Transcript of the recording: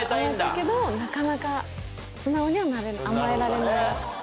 けどなかなか素直に甘えられない。